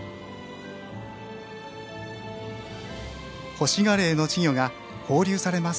ホシガレイの稚魚が放流されます。